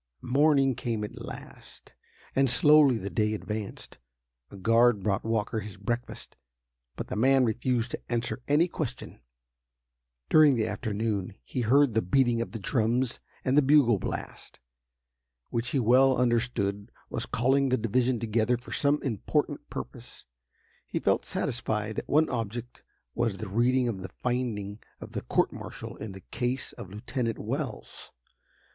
Morning came at last, and slowly the day advanced. A guard brought Walker his breakfast, but the man refused to answer any question. During the afternoon he heard the beating of the drums, and the bugle blast, which he well understood was calling the division together for some important purpose. He felt satisfied that one object was the reading of the finding of the court martial in the case of Lieutenant Wells.